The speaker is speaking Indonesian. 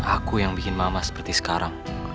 aku yang bikin mama seperti sekarang